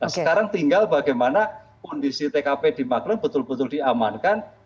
nah sekarang tinggal bagaimana kondisi tkp di magelang betul betul diamankan